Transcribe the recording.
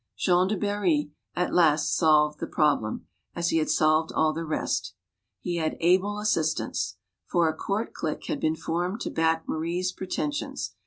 Jean du Barry, at last, solved the problem, as he had solved all the rest. He had able assistance. For, a court clique had been formed to back Marie's pretentions.